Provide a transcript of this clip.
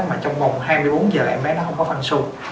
mà trong vòng hai mươi bốn h là em bé nó không có phân su